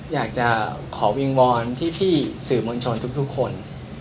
อยากจะขอวิงวอนพี่สื่อมวลชนทุกคน